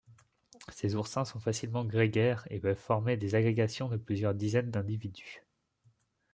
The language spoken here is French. Ces oursins sont facilement grégaires, et peuvent former des agrégations de plusieurs dizaines d'individus.